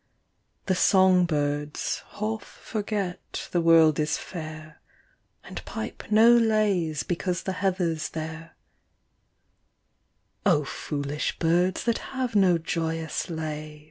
The song birds half forget the world is fair, And pipe no lays because the heather's there : Oh foolish birds that have no joyous lay.